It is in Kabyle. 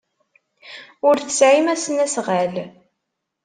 Ur tesɛim asnasɣal.